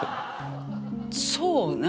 そうね。